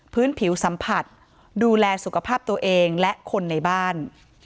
พื้นผิวสัมผัสดูแลสุขภาพตัวเองและคนในบ้าน